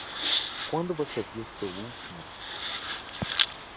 Quando você viu seu último?